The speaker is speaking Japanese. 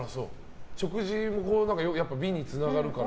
食事も美につながるから？